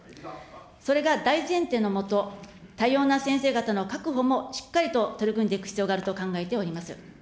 それが大前提の下、多様な先生方の確保もしっかりと取り組んでいく必要があると考えております。